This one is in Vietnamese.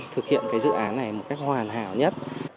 thực hiện cái dự án này một cách hoàn hảo nhất